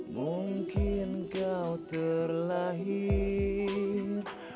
mungkin kau terlahir